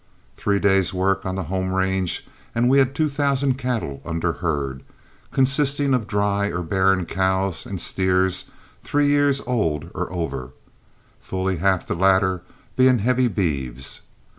Three days' work on the home range and we had two thousand cattle under herd, consisting of dry or barren cows and steers three years old or over, fully half the latter being heavy beeves.